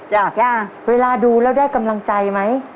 เวลาดูแล้วได้กำลังใจไหม